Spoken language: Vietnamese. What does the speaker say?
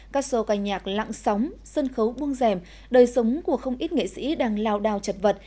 các show ca nhạc lặng sóng sân khấu buông rèm đời sống của không ít nghệ sĩ đang lao đao chật vật